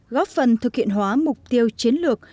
góp phần thực hiện hóa mục tiêu chiến lược